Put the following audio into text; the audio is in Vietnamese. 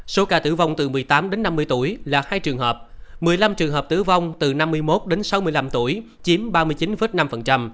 số ca tử vong từ một mươi tám đến năm mươi tuổi là hai trường hợp một mươi năm trường hợp tử vong từ năm mươi một đến sáu mươi năm tuổi chiếm ba mươi chín năm